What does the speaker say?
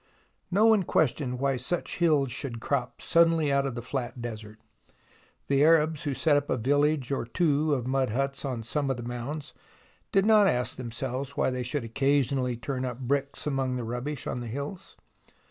No one questioned why such hills should crop suddenly out of the fiat desert. The Arabs who set up a village or two of mud huts on some of the mounds did not ask themselves why they should occasionally turn up bricks among the rubbish on the hills.